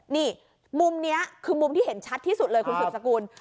นี่มุมนี้คือมุมที่เห็นชัดที่สุดเลยคุณสุดสกุล